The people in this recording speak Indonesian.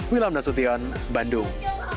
wilam nasution bandung